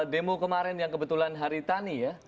demo kemarin yang kebetulan hari tani ya